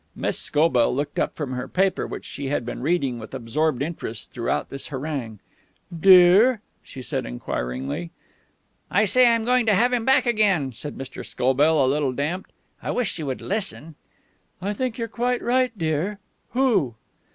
Miss Scobell looked up from her paper, which she had been reading with absorbed interest throughout tins harangue. "Dear?" she said enquiringly. "I say I'm going to have him back again," said Mr. Scobell, a little damped. "I wish you would listen." "I think you're quite right, dear. Who?"